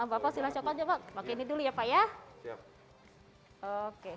bapak silahkan coba pakai ini dulu ya pak ya